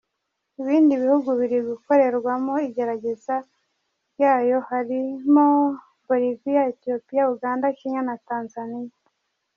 Ibindi bihugu biri gukorerwamo igerageza ryayo harimo Bolivia, Ethiopia, Uganda, Kenya na Tanzania.